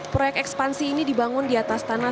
proyek ekspansi ini dibangun di atas tanah